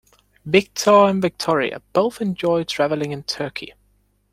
Victor and Victoria both enjoy traveling in Turkey.